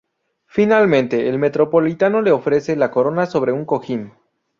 Finalmente el metropolitano le ofrece la corona sobre un cojín.